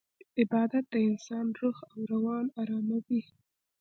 عبادت د انسان روح او روان اراموي.